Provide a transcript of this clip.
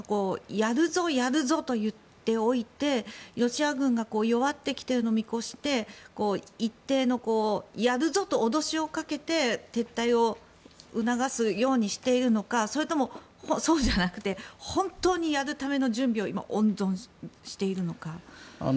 やるぞ、やるぞと言っておいてロシア軍が弱ってきているのを見越して一定のやるぞと脅しをかけて撤退を促すようにしているのかそれとも、そうじゃなくて本当にやるための準備を今、温存しているのか。